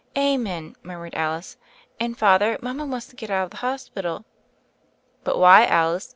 "Amen," murmured Alice, "and, Father, mama wants to get out of the hospital." "But why, Alice?